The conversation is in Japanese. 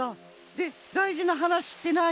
でだいじなはなしってなあに？